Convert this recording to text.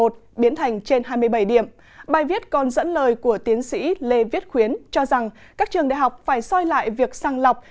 trên hai mươi bảy điểm bài viết còn dẫn lời của tiến sĩ lê viết khuyến cho rằng các trường đại học phải xoay lại việc sàng lọc